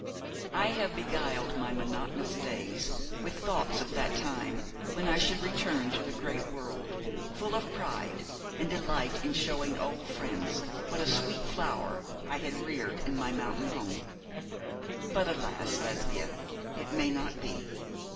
I have beguiled my monotonous days with thoughts of the time when I should return to the great world, full of pride and delight in showing old friends what a sweet flower I had reared in my mountain home; but, alas, Lesbia, it may not be.